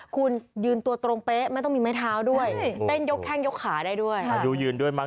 คุณยืนตัวตรงเป๊ะไม่ต้องมีไม้เท้าด้วย